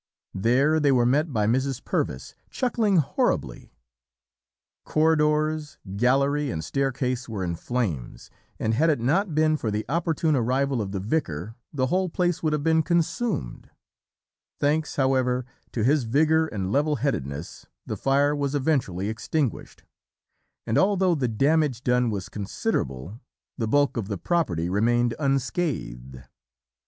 "There they were met by Mrs. Purvis, chuckling horribly. "Corridors, gallery and staircase were in flames, and had it not been for the opportune arrival of the vicar the whole place would have been consumed; thanks, however, to his vigour and level headedness the fire was eventually extinguished, and although the damage done was considerable, the bulk of the property remained unscathed.